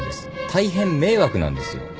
大変迷惑なんです。